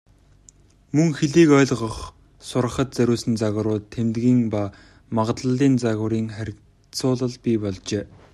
Мөн хэлийг ойлгох, сурахад зориулсан загварууд, тэмдгийн ба магадлалын загварын харьцуулал бий болжээ.